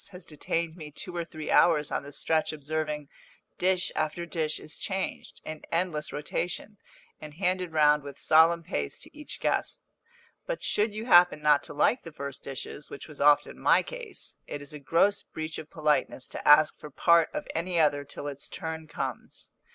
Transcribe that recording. has detained me two or three hours on the stretch observing, dish after dish is changed, in endless rotation, and handed round with solemn pace to each guest; but should you happen not to like the first dishes, which was often my case, it is a gross breach of politeness to ask for part of any other till its turn comes.